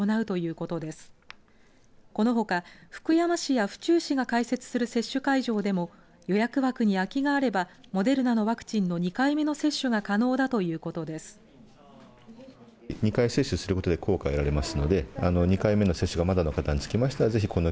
このほか福山市や府中市が開設する接種会場でも予約枠に空きがあればモデルナのワクチンの２回目の接種が可能だということです。